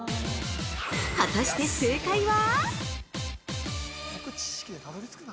◆果たして、正解は！？